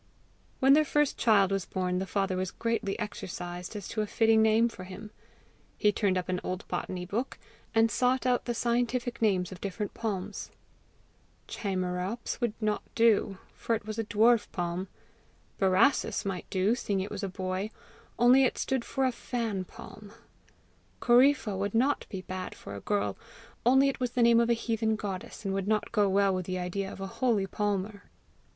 When their first child was born, the father was greatly exercised as to a fitting name for him. He turned up an old botany book, and sought out the scientific names of different palms. CHAMAEROPS would not do, for it was a dwarf palm; BORASSUS might do, seeing it was a boy only it stood for a FAN PALM; CORYPHA would not be bad for a girl, only it was the name of a heathen goddess, and would not go well with the idea of a holy palmer.